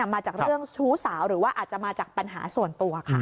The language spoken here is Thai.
มาจากเรื่องชู้สาวหรือว่าอาจจะมาจากปัญหาส่วนตัวค่ะ